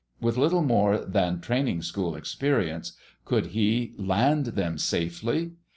With little more than training school experience, could he land them safely?